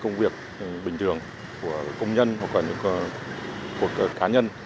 hoặc là có thể ứng dụng thay những công việc bình thường của công nhân hoặc là của cá nhân